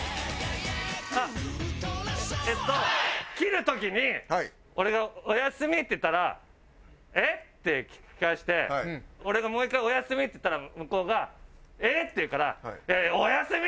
切る時に俺が「おやすみ」って言ったら「えっ？」って聞き返して俺がもう１回「おやすみ」って言ったら向こうが「えっ？」って言うから。